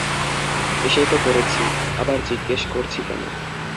এসেই তো পড়েছি, আবার জিজ্ঞেস করছি কেন?